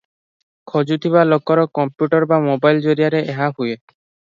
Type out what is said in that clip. ଖୋଜୁଥିବା ଲୋକର କମ୍ପ୍ୟୁଟର ବା ମୋବାଇଲ ଜରିଆରେ ଏହା ହୁଏ ।